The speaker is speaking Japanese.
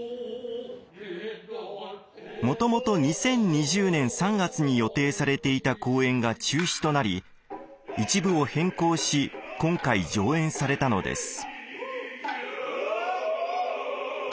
もともと２０２０年３月に予定されていた公演が中止となり一部を変更し今回上演されたのです。